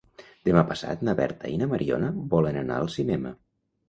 Demà passat na Berta i na Mariona volen anar al cinema.